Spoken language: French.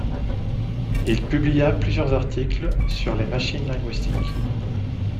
Il publia plusieurs articles sur les machines linguistiques.